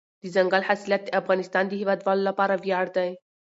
دځنګل حاصلات د افغانستان د هیوادوالو لپاره ویاړ دی.